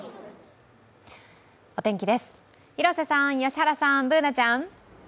お天気です、広瀬さん、良原さん、Ｂｏｏｎａちゃん。